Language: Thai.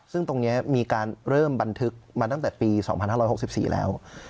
ซึ่งตรงนี้มีการเริ่มบันทึกมาตั้งแต่ปี๒๕๖๔แล้ว